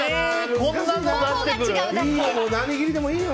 何切りでもいいよ！